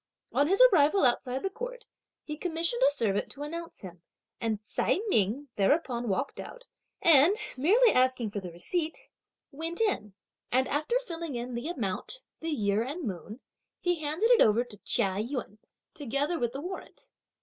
On his arrival outside the court, he commissioned a servant to announce him, and Ts'ai Ming thereupon walked out, and merely asking for the receipt, went in, and, after filling in the amount, the year and moon, he handed it over to Chia Yün together with the warrant.